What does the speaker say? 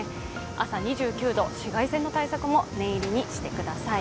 朝２９度、紫外線の対策も念入りにしてください。